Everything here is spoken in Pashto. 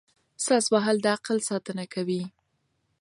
ساز وهل د عقل ساتنه کوي.